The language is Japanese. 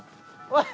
おい！